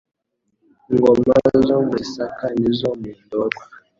ingoma zo mu Gisaka n'izo mu Ndorwa